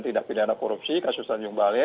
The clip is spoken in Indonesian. tindak pidana korupsi kasus tanjung balai